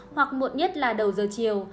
hoặc muộn nhất là đầu giờ chiều